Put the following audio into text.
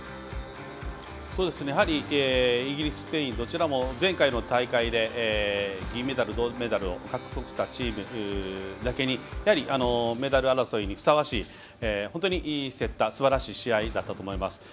やはりイギリス、スペインどちらも前回の大会で銀メダル、銅メダルを獲得したチームだけにやはり、メダル争いにふさわしい本当にいい競ったすばらしい試合だったと思います。